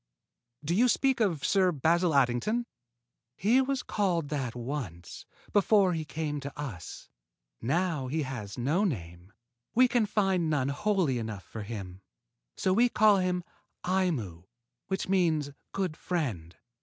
"Do you speak of Sir Basil Addington?" "He was called that once, before he came to us. Now he has no name. We can find none holy enough for him; and so we call him Aimu, which means good friend."